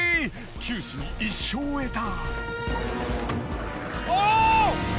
九死に一生を得た。